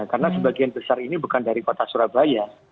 karena sebagian besar ini bukan dari kota surabaya